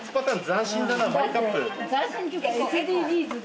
斬新というかＳＤＧｓで。